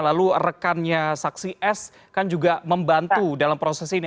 lalu rekannya saksi s kan juga membantu dalam proses ini